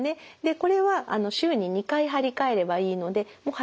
これは週に２回貼り替えればいいのでもう貼りっぱなしで。